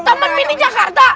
taman mini jakarta